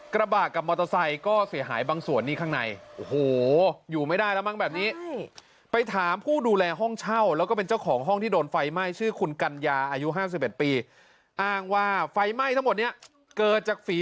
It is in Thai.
กระบากกับมอเตอร์ไซค์ก็เสียหายบางส่วนนี้ข้างใน